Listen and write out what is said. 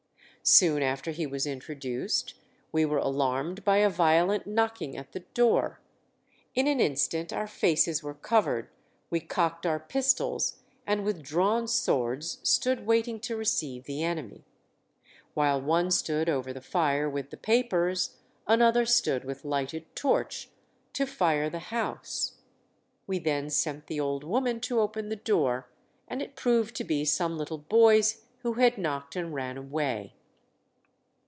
Soon after he was introduced we were alarmed by a violent knocking at the door; in an instant our faces were covered, we cocked our pistols, and with drawn swords stood waiting to receive the enemy. While one stood over the fire with the papers, another stood with lighted torch to fire the house. We then sent the old woman to open the door, and it proved to be some little boys who had knocked and ran away."